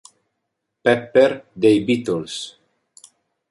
Pepper" dei Beatles.